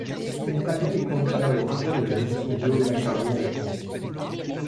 Trenitalia est candidate au rachat de la division Veolia Cargo en France.